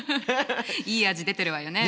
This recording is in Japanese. いい味出てるわよね。